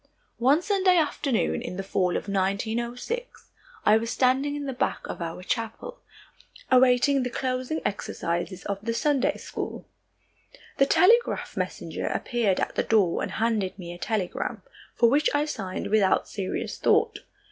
One Sunday afternoon in the fall of 1906, I was standing in the back of our chapel, awaiting the closing exercises of the Sunday school. The telegraph messenger appeared at the door and handed me a telegram, for which I signed without serious thought.